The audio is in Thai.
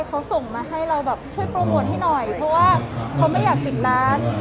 เขาส่งมาให้เราแบบช่วยโปรโมทให้หน่อยเพราะว่าเขาไม่อยากปิดร้าน